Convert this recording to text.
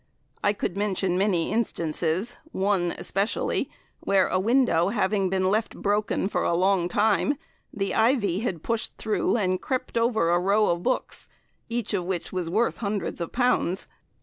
I could mention many instances, one especially, where a window having been left broken for a long time, the ivy had pushed through and crept over a row of books, each of which was worth hundreds of pounds.